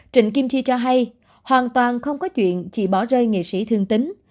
trịnh kim chi cho hay hoàn toàn không có chuyện chị bỏ rơi nghệ sĩ thương tính